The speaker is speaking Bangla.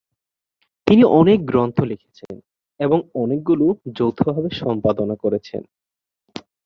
তিনি অনেক গ্রন্থ লিখেছেন এবং অনেকগুলো যৌথভাবে সম্পাদনা করেছেন।